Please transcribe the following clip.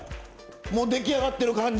もう出来上がってる感じ。